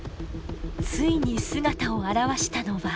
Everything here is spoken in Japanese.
ついに姿を現したのは。